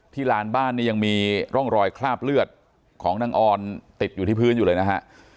ลานบ้านนี่ยังมีร่องรอยคราบเลือดของนางออนติดอยู่ที่พื้นอยู่เลยนะฮะ